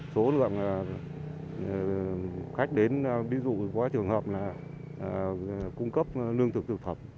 số lượng khách đến ví dụ có trường hợp là cung cấp lương thực thực phẩm